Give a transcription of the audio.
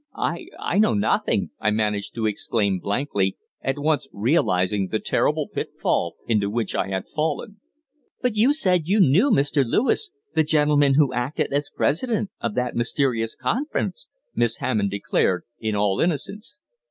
"I I know nothing," I managed to exclaim blankly, at once realizing the terrible pitfall into which I had fallen. "But you said you knew Mr. Lewis the gentleman who acted as president of that mysterious conference!" Miss Hammond declared, in all innocence.